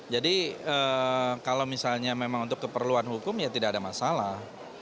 jadi kalau misalnya memang untuk keperluan hukum ya tidak ada masalah